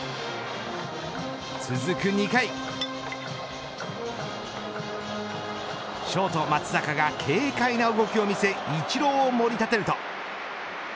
続く２回ショートの松坂が軽快な動きを見せイチローを盛り立てると。